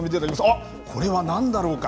あっ、これはなんだろうか。